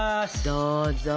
どうぞ。